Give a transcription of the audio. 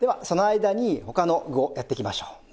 その間に他の具をやっていきましょう。